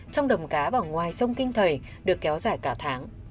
trong đầm cá và ngoài sông kinh thầy được kéo dài cả tháng